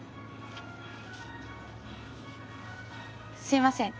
すいません